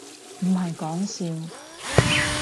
唔係講笑